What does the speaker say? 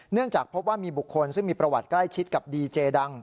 เนื่องจากพบว่ามีบุคคลซึ่งมีประวัติใกล้ชิดกับดีเจดัง